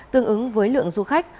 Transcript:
tương ứng với lượng du khách